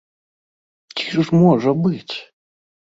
Ці ж можа быць!